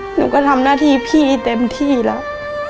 หนูก็ทำหน้าที่พี่เต็มที่แล้ว